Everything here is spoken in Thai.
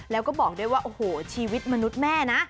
แล้วก็บอกด้วยว่าโอ้โหชีวิตมนุษย์แม่นะ